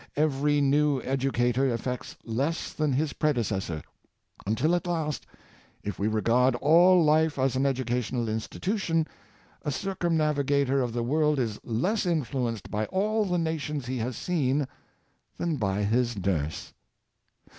Every new educator effects less than his predecessor; until at last, if we regard all life as an educational institution, a circumnavigator of the world is less influenced by all the nations he has seen than by his nurse."